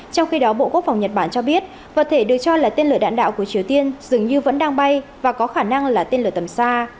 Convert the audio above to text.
trong khi đó bộ quốc phòng nhật bản cho biết vật thể được cho là tên lửa đạn đạo của triều tiên dường như vẫn đang bay và có khả năng là tên lửa tầm xa